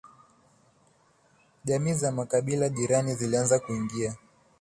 jamii za makabila jirani zilianza kuiga